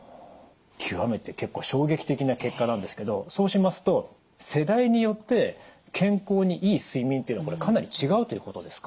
極めて結構衝撃的な結果なんですけどそうしますと世代によって健康にいい睡眠というのはかなり違うということですか？